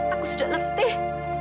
aku sudah lebih